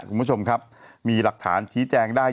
คุณผู้ชมครับมีหลักฐานชี้แจงได้